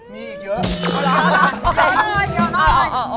มีอีกเยอะ